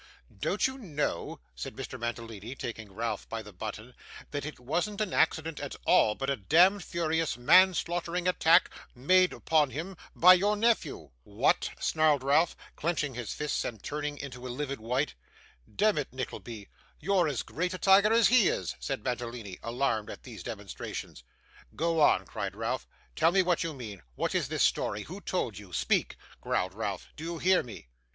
'Don't you know,' said Mr. Mantalini, taking Ralph by the button, 'that it wasn't an accident at all, but a demd, furious, manslaughtering attack made upon him by your nephew?' 'What!' snarled Ralph, clenching his fists and turning a livid white. 'Demmit, Nickleby, you're as great a tiger as he is,' said Mantalini, alarmed at these demonstrations. 'Go on,' cried Ralph. 'Tell me what you mean. What is this story? Who told you? Speak,' growled Ralph. 'Do you hear me?